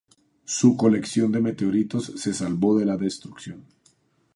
Su colección de meteoritos se salvó de la destrucción.